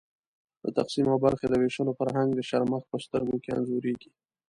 د تقسیم او برخې د وېشلو فرهنګ د شرمښ په سترګو کې انځورېږي.